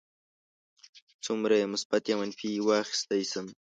څومره یې مثبت یا منفي واخیستی شم.